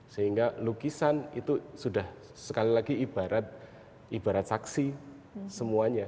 sehingga lukisan itu sudah sekali lagi ibarat saksi semuanya